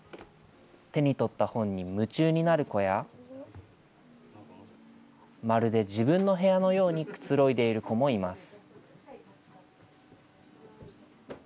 手に取った本に夢中になる子や、まるで自分の部屋のようにくつろいでいる子もいます。